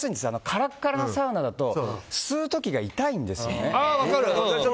カラカラのサウナだと吸う時が痛いんですよね。